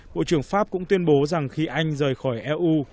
bộ trưởng pháp cũng tuyên bố rằng khi anh rời khỏi eu